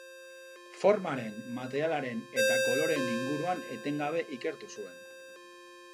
Formaren, materialaren eta koloreen inguruan etengabe ikertu zuen.